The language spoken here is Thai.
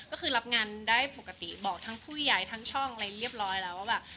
ก็คือรับงานได้ปกติบอกทั้งผู้ใหญ่ทั้งช่องอะไรเรียบร้อยแล้วว่าแบบ